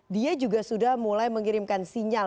dia juga sudah mulai mengirimkan sinyal